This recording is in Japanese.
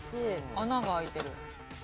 穴が開いてる。